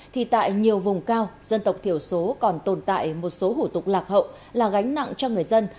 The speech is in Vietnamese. thì tại nhiều vùng cao dân tộc thiểu số còn tồn tại một số hủ tục lạc hậu là gánh nặng cho người dân